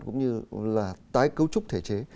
cũng là tái cấu trúc thể chế